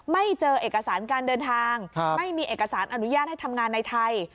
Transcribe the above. ไม่เจอเอกสารการเดินทางไม่มีเอกสารอนุญาตให้ทำงานในไทย